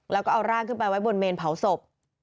แล้วก็เอาร่างขึ้นไปไว้บนเมนเผาศพ